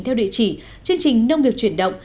theo địa chỉ chương trình nông nghiệp chuyển động